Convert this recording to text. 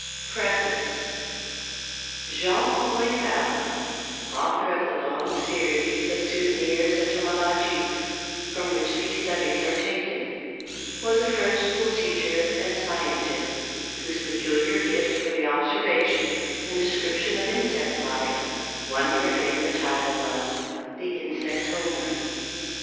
PREFACE Jean Henri Fabre, author of the long series of "Souvenirs Entomologiques" from which these studies are taken, was a French school teacher and scientist whose peculiar gift for the observation and description of insect life won for him the title of the "insects' Homer."